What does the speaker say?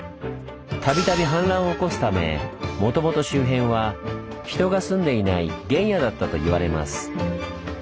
度々氾濫を起こすためもともと周辺は人が住んでいない原野だったといわれます。